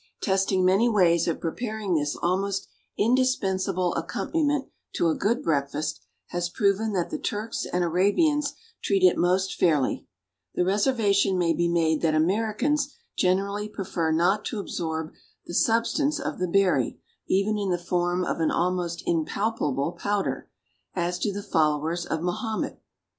Testing many ways of preparing this almost indispensable accompaniment to a good breakfast has proven that the Turks and Arabians treat it most fairly; the reservation may be made that Americans generally prefer not to absorb the substance of the berry, even in the form of an almost impalpable powder, as do the followers of Mahomet.